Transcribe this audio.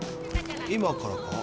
今からか？